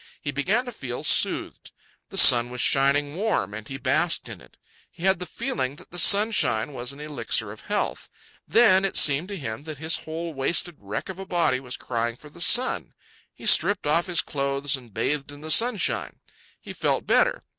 He began to feel soothed. The sun was shining warm, and he basked in it. He had the feeling that the sun shine was an elixir of health. Then it seemed to him that his whole wasted wreck of a body was crying for the sun. He stripped off his clothes and bathed in the sunshine. He felt better.